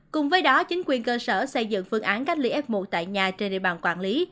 cùng với đó chính quyền cơ sở xây dựng phương án cách ly f một tại nhà trên địa bàn quản lý